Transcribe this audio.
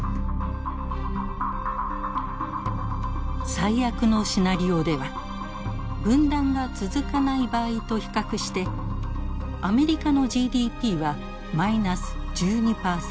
最悪のシナリオでは分断が続かない場合と比較してアメリカのＧＤＰはマイナス１２％。